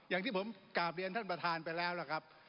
อย่างที่ผมกราบเรียนท่านประธานไปแล้วล่ะครับ